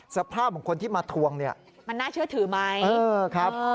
สภาพของคนที่มาทวงเนี่ยมันน่าเชื่อถือไหม